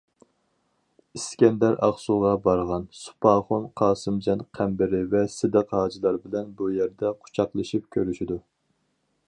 ئىسكەندەر ئاقسۇغا بارغان سوپاخۇن، قاسىمجان قەمبىرى ۋە سىدىق ھاجىلار بىلەن بۇ يەردە قۇچاقلىشىپ كۆرۈشىدۇ.